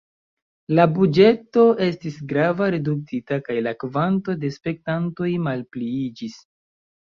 La buĝeto estis grave reduktita kaj la kvanto de spektantoj malpliiĝis.